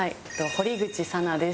堀口紗奈です。